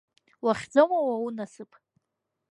Уахьӡома уа унасыԥ?!